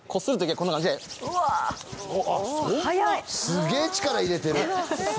すごい力入れてる。